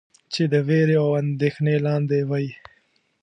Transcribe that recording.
چې د وېرې او اندېښنې لاندې وئ.